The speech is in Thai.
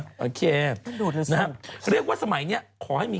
หรืออาทิตย์หรือ๑เดือน๒เดือนแล้วแต่ที่จะตกลงกัน